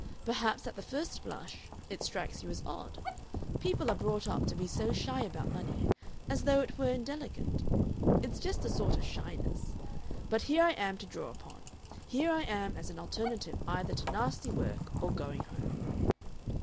Perhaps at the first blush it strikes you as odd. People are brought up to be so shy about money. As though it was indelicate it's just a sort of shyness. But here I am to draw upon. Here I am as an alternative either to nasty work or going home."